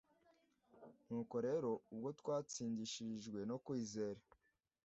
Nuko rero ubwo twatsindishirijwe no kwizera